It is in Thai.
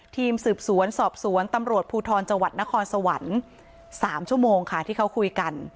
ทีมสืบสวนสอบสวนตำรวจภูทรจังหวัดนครสวรรค์๓ชั่วโมงค่ะที่เขาคุยกัน